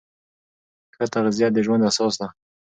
ښه تغذیه د ژوند اساس ده.